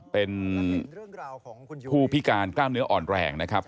เป็นผู้พิการกล้ามเนื้ออ่อนแรงนะครับ